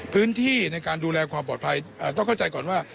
พื้นที่ในการดูแลความปลอดภัยต้องเข้าใจก่อนว่า